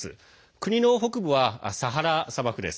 国の北部はサハラ砂漠です。